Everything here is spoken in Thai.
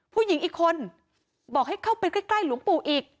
ผู้หญิงอีกคนบอกให้เข้าไปใกล้หลวงปู่อีก